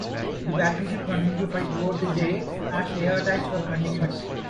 The battleship continued to fight throughout the day as air attacks were continuous.